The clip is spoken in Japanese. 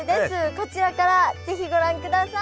こちらから是非ご覧ください。